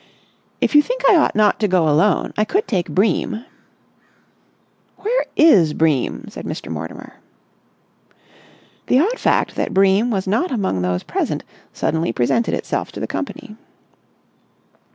"If you think I ought not to go alone, I could take Bream." "Where is Bream?" said Mr. Mortimer. The odd fact that Bream was not among those present suddenly presented itself to the company.